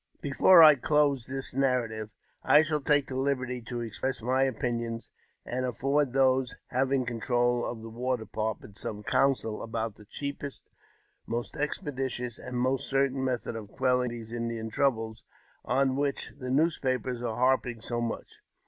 Before I close this narrative, I shall take the liberty to ex press my opinions, and afford those having control of the War Department some counsel about the cheapest, most expeditious, and most certain method of quelling their Indian troubles, on which the newspapers are harping so much.